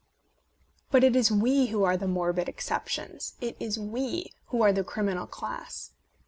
But it is we who are the morbid excep tions ; it is we who are the criminal class.